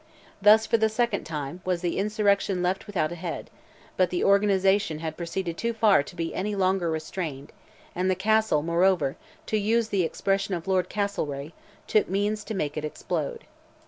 Thus, for the second time, was the insurrection left without a head; but the organization had proceeded too far to be any longer restrained, and the Castle, moreover, to use the expression of Lord Castlereagh, "took means to make it explode."